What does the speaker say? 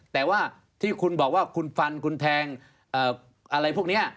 แต่ว่าที่คุณบอกว่าคุณฟันคุณแทงอะไรพวกนี้